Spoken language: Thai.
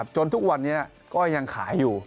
จนทุกวันนี้ก็ยังขายอยู่